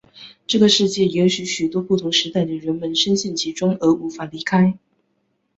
这个世界也有许多不同时代的人们身陷其中而无法离开。